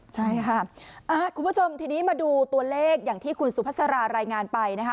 ใช่ค่ะคุณผู้ชมทีนี้มาดูตัวเลขอย่างที่คุณสุภาษารารายงานไปนะคะ